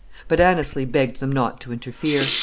But Anneslie begged them not to interfere.